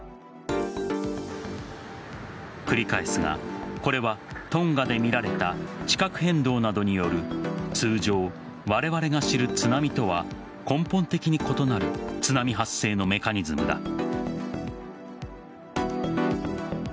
繰り返すがこれはトンガで見られた地殻変動などによる通常、われわれが知る津波とは根本的に異なる津波発生のメカニズムだ。